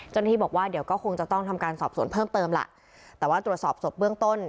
เจ้าหน้าที่บอกว่าเดี๋ยวก็คงจะต้องทำการสอบสวนเพิ่มเติมล่ะแต่ว่าตรวจสอบศพเบื้องต้น